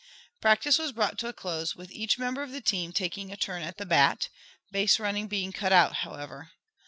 Practice was brought to a close with each member of the team taking a turn at the bat, base running being cut out, however.